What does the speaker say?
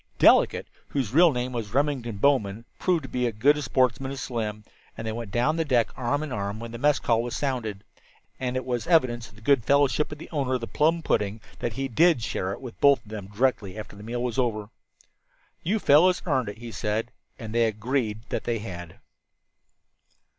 Delicate, whose real name was Remington Bowman, proved to be as good a sportsman as Slim, and they went down the deck arm in arm when the mess call was sounded. And it was evidence of the good fellowship of the owner of the plum pudding that he did share it with both of them directly after the meal was over. "You fellows earned it," he said. And they agreed that they had.